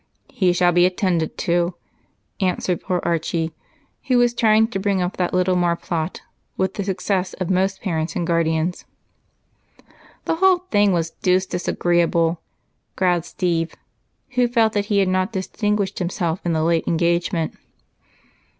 "He shall be attended to," answered poor Archie, who was trying to bring up the little marplot with the success of most parents and guardians. "The whole thing was deuced disagreeable," growled Steve, who felt that he had not distinguished himself in the late engagement.